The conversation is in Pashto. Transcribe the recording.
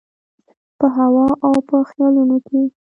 په هوا او په خیالونو کي